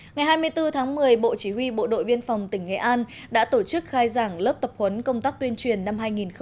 ngày hai mươi bốn tháng một mươi bộ chỉ huy bộ đội biên phòng tỉnh nghệ an đã tổ chức khai giảng lớp tập huấn công tác tuyên truyền năm hai nghìn một mươi chín